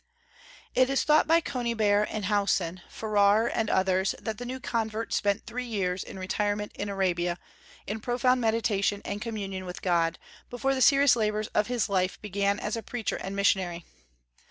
It is thought by Conybeare and Howson, Farrar and others that the new convert spent three years in retirement in Arabia, in profound meditation and communion with God, before the serious labors of his life began as a preacher and missionary.